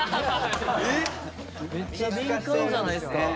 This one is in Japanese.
めっちゃ敏感じゃないっすか。